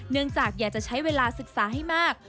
เนื่องจากอยากจะใช้เวลาศึกษาให้มาก